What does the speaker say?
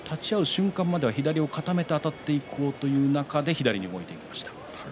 瞬間までは左を固めてあたっていこうという中で左に動いていきました。